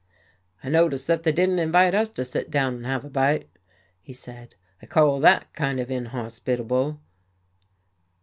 "I notice that they didn't invite us to sit down and have a bite," he said. "I call that kind of inhospitable."